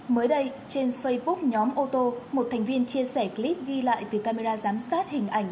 mới đây trên facebook nhóm ô tô một thành viên chia sẻ clip ghi lại từ camera giám sát hình ảnh